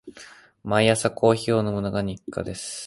毎朝コーヒーを飲むのが日課です。